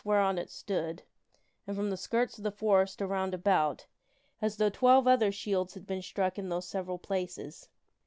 w hereon it stood, and from the skirts of the forest around about, as though twelve other shields had been struck in those several places.